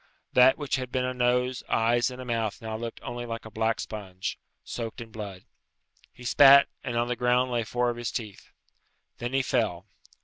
That which had been a nose, eyes, and a mouth now looked only like a black sponge, soaked in blood. He spat, and on the ground lay four of his teeth. Then he fell.